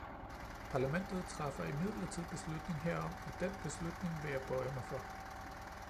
Parlamentet træffer imidlertid beslutning herom, og den beslutning vil jeg bøje mig for.